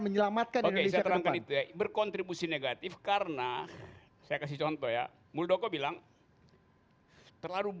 menyelamatkan berkontribusi negatif karena saya kasih contoh ya muldoko bilang terlalu